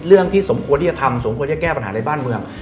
ที่สมควรที่จะทำสมควรจะแก้ปัญหาในบ้านเมือง